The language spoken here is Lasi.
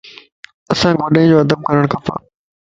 اسانک وڏيءَ جو ادب ڪرڻ کپ